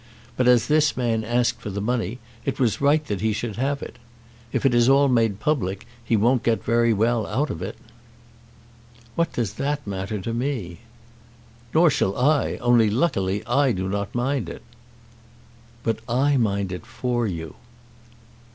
But as this man asked for the money, it was right that he should have it. If it is all made public he won't get very well out of it." "What does that matter to me?" "Nor shall I; only luckily I do not mind it." "But I mind it for you."